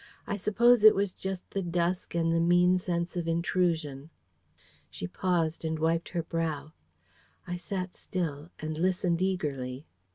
I suppose it was just the dusk and the mean sense of intrusion." She paused and wiped her brow. I sat still, and listened eagerly.